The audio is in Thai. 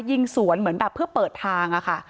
ยิงสวนเหมือนแบบเพื่อเปิดทางอะค่ะ